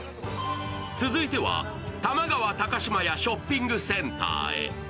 続いては、玉川高島屋ショッピングセンターへ。